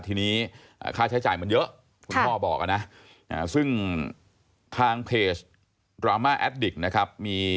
ก็มีการแชร์กันตัวมาหลายพันครั้งแล้วแล้วนะครับ